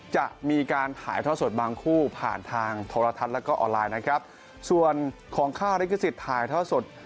จะมีการถ่ายท่อสดบางคู่ผ่านทางโทรทัศน์แล้วก็ออนไลน์นะครับส่วนของค่าลิขสิทธิ์ถ่ายท่อสด